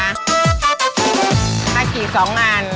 ค่ะสำหรับสองอัน